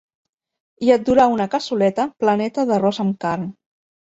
I et durà una cassoleta pleneta d’arròs amb carn.